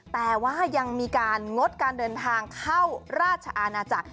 แต่ว่ายังมีการงดการเดินทางเข้าราชอาณาจักร